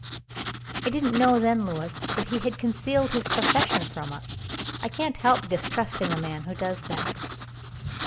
"I didn't know then, Lewis, that he had concealed his profession from us. I can't help distrusting a man who does that."